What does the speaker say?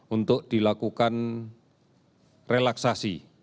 untuk dilakukan relaksasi